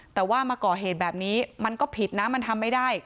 แต่ว่ามาก่อเหตุแบบนี้มันก็ผิดนะมันทำไม่ได้